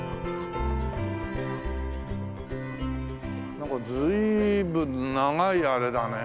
なんか随分長いあれだね。